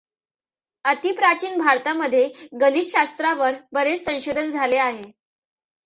अतिप्राचीन भारतामधे गणित शास्त्रावर बरेच संशोधन झाले आहे.